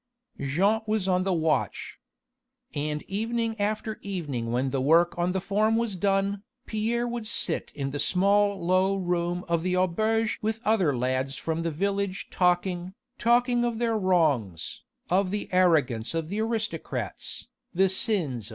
Jean was on the watch. And evening after evening when the work on the farm was done, Pierre would sit in the small low room of the auberge with other lads from the village talking, talking of their wrongs, of the arrogance of the aristocrats, the sins of M.